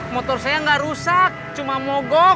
motor saya nggak rusak cuma mogok